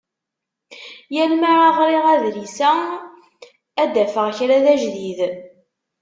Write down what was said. Yal mi ɣriɣ adlis-a, ad d-afeɣ kra d ajdid.